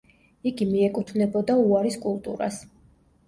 იგი მიეკუთვნებოდა უარის კულტურას.